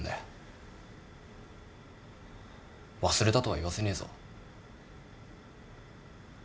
忘れたとは言わせねえぞ。